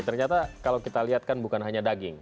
ternyata kalau kita lihat kan bukan hanya daging